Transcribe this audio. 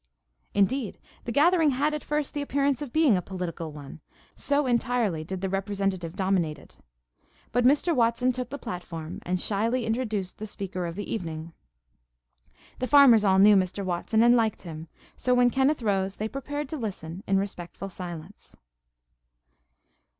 Indeed, the gathering had at first the appearance of being a political one, so entirely did the Representative dominate it. But Mr. Watson took the platform and shyly introduced the speaker of the evening. The farmers all knew Mr. Watson, and liked him; so when Kenneth rose they prepared to listen in respectful silence.